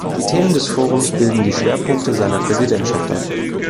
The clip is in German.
Die Themen des Forums bilden die Schwerpunkte seiner Präsidentschaft ab.